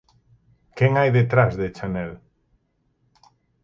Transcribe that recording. Quen hai detrás de Chanel?